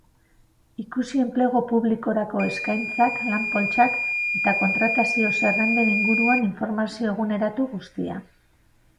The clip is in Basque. Ikusi Enplegu Publikorako Eskaintzak, lan-poltsak eta kontratazio-zerrenden inguruan informazio eguneratu guztia.